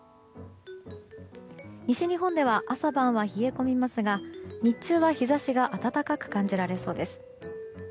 西日本では朝晩は冷え込みますが日中は日差しが温かく感じられそうです。